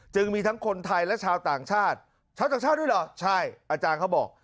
มีทั้งคนไทยและชาวต่างชาติชาวต่างชาติด้วยเหรอใช่อาจารย์เขาบอก